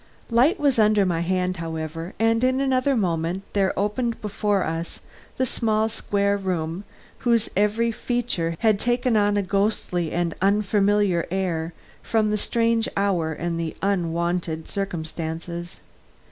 Light was under my hand, however, and in another moment there opened before us the small square room whose every feature had taken on a ghostly and unfamiliar air from the strange hour and the unwonted circumstances.